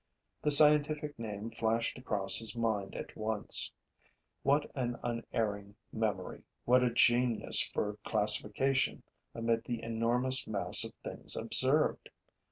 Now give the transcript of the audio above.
The scientific name flashed across his mind at once. What an unerring memory, what a genius for classification amid the enormous mass of things observed!